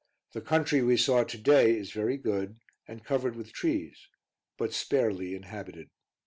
The country we saw to day is very good, and covered with trees, but sparely inhabited.